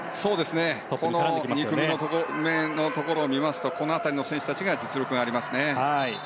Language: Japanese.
このレーンを見ますとこの辺りの選手たちが実力がありますね。